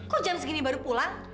kok jam segini baru pulang